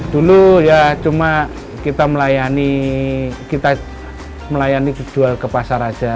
dulu ya cuma kita melayani jual ke pasar aja